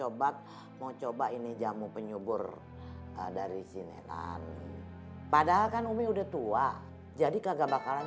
coba mau coba ini jamu penyubur dari sinian padahal kan umi udah tua jadi kagak bakalan